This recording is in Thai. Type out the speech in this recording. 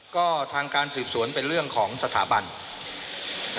ก็ทางการสืบสวนเป็นเรื่องของสถาบัน